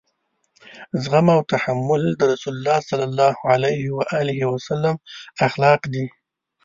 زغم او تحمل د رسول کريم صلی الله علیه وسلم اخلاق دي.